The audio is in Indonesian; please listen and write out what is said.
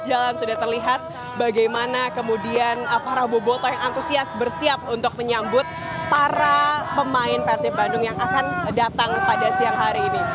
jalan sudah terlihat bagaimana kemudian para boboto yang antusias bersiap untuk menyambut para pemain persib bandung yang akan datang pada siang hari ini